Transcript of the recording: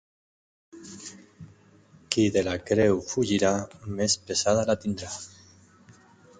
Qui de la creu fugirà més pesada la tindrà.